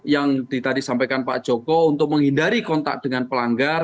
yang tadi sampaikan pak joko untuk menghindari kontak dengan pelanggar